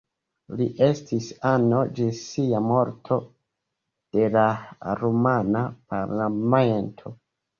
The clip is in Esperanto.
Li estis ano ĝis sia morto de la rumana parlamento.